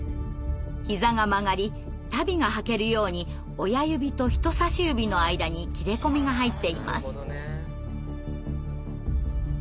膝が曲がり足袋が履けるように親指と人さし指の間に切れ込みが入っています。